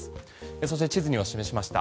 そして地図に示しました